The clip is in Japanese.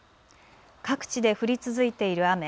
各地で降り続いている雨。